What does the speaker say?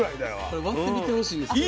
これ割ってみてほしいんですけど。